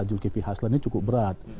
zulkifli haslan ini cukup berat